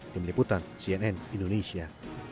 tim liputan cnn indonesia